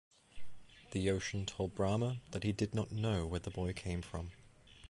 The ocean told Brahma that he did not know where the boy came from.